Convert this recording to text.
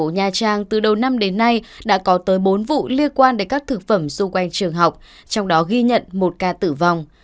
nha trang từ đầu năm đến nay đã có tới bốn vụ liên quan đến các thực phẩm xung quanh trường học trong đó ghi nhận một ca tử vong